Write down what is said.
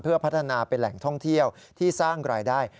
เพื่อพัฒนาเป็นแหล่งท่องเที่ยวที่สร้างรายได้